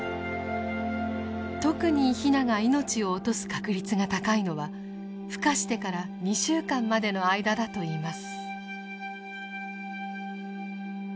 特にヒナが命を落とす確率が高いのはふ化してから２週間までの間だといいます。